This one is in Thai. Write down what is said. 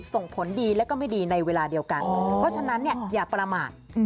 ส่งผลดีและก็ไม่ดีในเวลาเดียวกันเพราะฉะนั้นเนี่ยอย่าประมาท